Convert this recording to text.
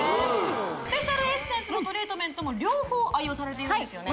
スペシャルエッセンスもトリートメントも両方愛用されているんですよね？